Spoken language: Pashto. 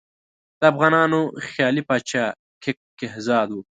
د افغانانو خیالي پاچا کک کهزاد وو.